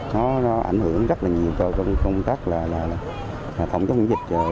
nó ảnh hưởng rất là nhiều cho công tác là thổng chống dịch chờ